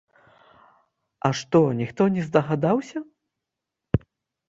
А што, ніхто не здагадаўся?